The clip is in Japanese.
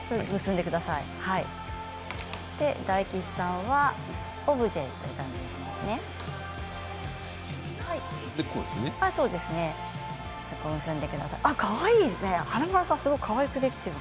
大吉さんはオブジェという感じにしますね。